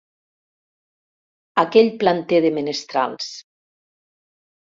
Aquell planter de menestrals.